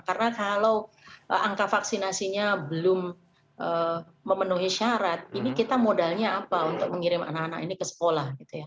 karena kalau angka vaksinasinya belum memenuhi syarat ini kita modalnya apa untuk mengirim anak anak ini ke sekolah